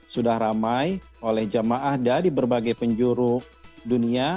sudah ramai oleh jamaah dari berbagai penjuru dunia